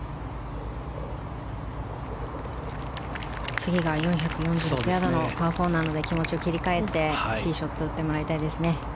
次が４４６ヤードのパー４なので気持ちを切り替えてティーショットを打ってもらいたいです。